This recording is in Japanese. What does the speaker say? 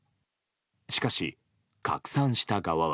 しかし、拡散した側は。